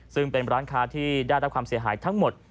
ซึ่งเป็นร้านค้าที่ได้รับความเสียหายทั้งหมด